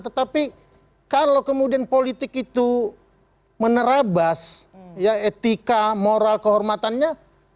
tetapi kalau kemudian politik itu menerabas etika moral kehormatannya